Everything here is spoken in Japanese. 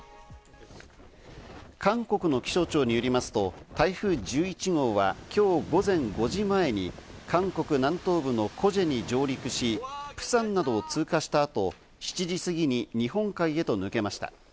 韓国の気象庁によりますと、台風１１号はきょう午前５時前に韓国南東部のコジェに上陸し、プサンなどを通過した後、７時過ぎに日本海へと抜けました。